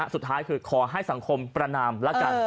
สุดท้ายคือขอให้สังคมประนามแล้วกัน